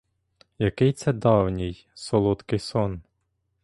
Який це давній, солодкий сон!